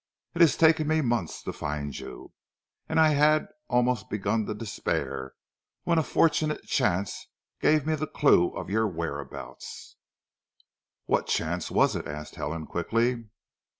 It has taken me months to find you, and I had almost begun to despair, when a fortunate chance gave me the clue to your whereabouts." "What chance was it?" asked Helen quickly.